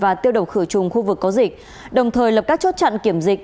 và tiêu độc khử trùng khu vực có dịch đồng thời lập các chốt chặn kiểm dịch